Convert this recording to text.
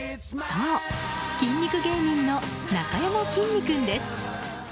そう、筋肉芸人のなかやまきんに君です。